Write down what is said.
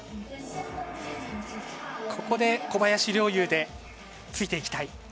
ここで小林陵侑でついていきたい。